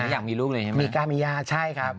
อยากมีลูกเลยใช่ไหมมีกล้ามีญาติใช่ครับ